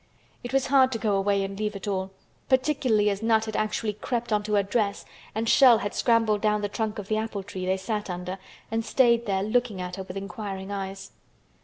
It was hard to go away and leave it all, particularly as Nut had actually crept on to her dress and Shell had scrambled down the trunk of the apple tree they sat under and stayed there looking at her with inquiring eyes.